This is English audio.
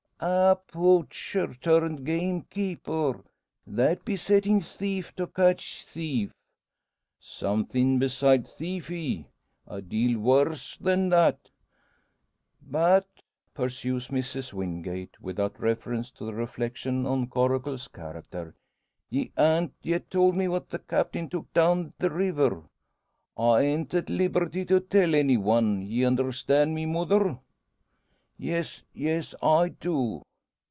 "Ah! poacher turned gamekeeper! That be settin' thief to catch thief!" "Somethin' besides thief, he! A deal worse than that!" "But," pursues Mrs Wingate, without reference to the reflection on Coracle's character, "ye han't yet tolt me what the Captain took down the river." "I an't at liberty to tell any one. Ye understand me, mother?" "Yes, yes; I do."